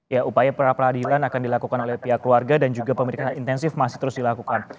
ya upaya pra peradilan akan dilakukan oleh pihak keluarga dan juga pemeriksaan intensif masih terus dilakukan